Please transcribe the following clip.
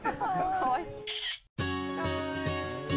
かわいい。